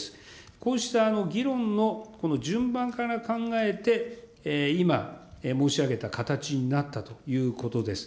こうした議論の順番から考えて、今、申し上げた形になったということです。